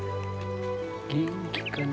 元気かな？